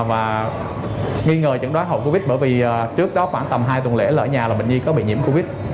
và nghi ngờ chẩn đoán hậu covid bởi vì trước đó khoảng tầm hai tuần lễ lỡ nhà là bệnh viện có bị nhiễm covid